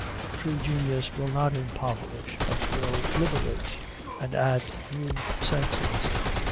True genius will not impoverish, but will liberate, and add new senses.